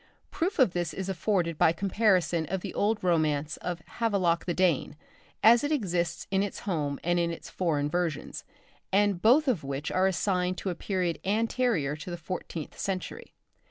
Proof of this is afforded by comparison of the old romance of 'Havelok the Dane' as it exists in its home and in its foreign versions, and both of which are assigned to a period anterior to the fourteenth century.